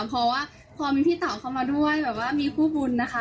เพราะว่าพอมีพี่เต๋าเข้ามาด้วยแบบว่ามีคู่บุญนะคะ